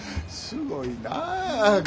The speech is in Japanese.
すごいなあ。